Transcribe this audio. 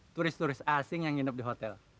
turis turis asing yang hidup di hotel